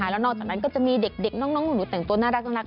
แล้วนอกจากนั้นก็จะมีเด็กน้องหนูแต่งตัวน่ารัก